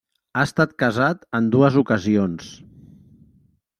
Ha estat casat en dues ocasions.